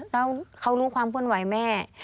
แล้วเขารู้ความเคลื่อนไหวแม่